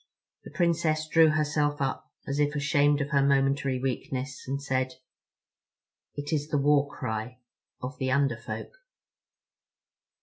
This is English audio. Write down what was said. The Princess drew herself up, as if ashamed of her momentary weakness, and said: "It is the war cry of the Under Folk."